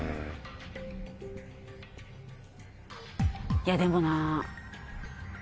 いやでもなぁ。